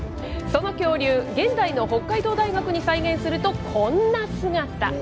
その恐竜、現代の北海道大学に再現すると、こんな姿。